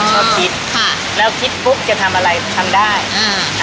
ก็คิดค่ะแล้วคิดปุ๊บจะทำอะไรทำได้อ่า